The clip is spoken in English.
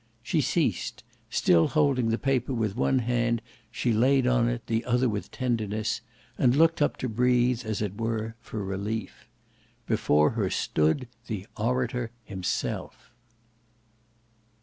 She ceased; still holding the paper with one hand, she laid on it the other with tenderness, and looked up to breathe as it were for relief. Before her stood the orator himself.